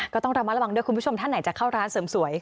ก็ต้องระมัดระวังด้วยคุณผู้ชมท่านไหนจะเข้าร้านเสริมสวย